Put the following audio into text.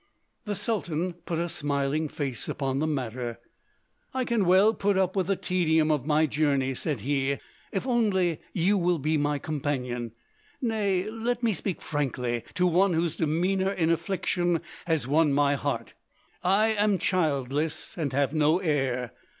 The Sultan put a smiling face upon the matter: "I can well put up with the tedium of my journey," said he, "if only you will be my companion. Nay, let me speak frankly to one whose demeanour in affliction has won my heart; I am childless and have no heir.